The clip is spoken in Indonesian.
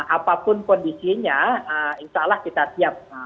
apapun kondisinya insya allah kita siap